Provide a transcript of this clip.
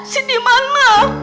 si diman mah